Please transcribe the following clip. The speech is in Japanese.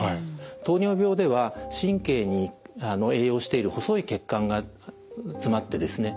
糖尿病では神経に栄養している細い血管がつまってですね